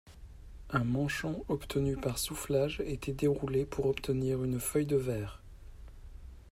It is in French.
Un manchon obtenu par soufflage était déroulé pour obtenir une feuille de verre.